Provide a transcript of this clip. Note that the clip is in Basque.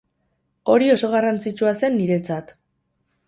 Hori oso garrantzitsua zen niretzat.